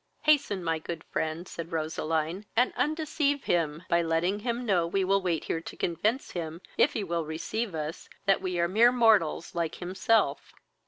"Hasten, my good friend, (said Roseline,) and undeceive him, by letting him know we wait here to convince him, if he will receive us, that we are mere mortals like himself."